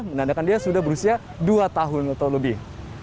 menandakan dia sudah berusia dua tahun atau lebih